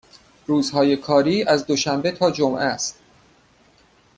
روزهای کاری از دوشنبه تا جمعه است.